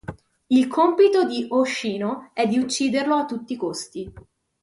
Il compito di Hoshino è di ucciderlo a tutti i costi.